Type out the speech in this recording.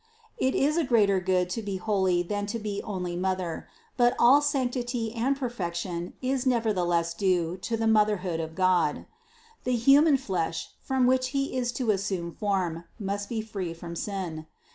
It is a greater good to be holy than to be only mother ; but all sanctity and per fection is nevertheless due to the motherhood of God. The human flesh, from which He is to assume form, must be free from sin.